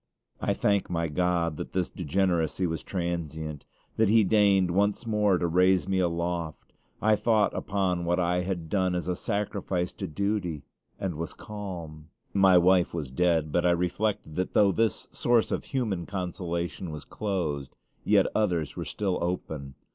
I thank my God that this degeneracy was transient that He deigned once more to raise me aloft. I thought upon what I had done as a sacrifice to duty, and was calm. My wife was dead; but I reflected that though this source of human consolation was closed, yet others were still open.